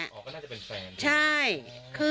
อ๋อก็น่าจะเป็นแฟนใช่